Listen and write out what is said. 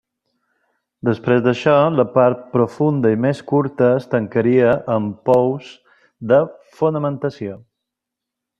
Després d'això, la part profunda i més curta es tancaria amb pous de fonamentació.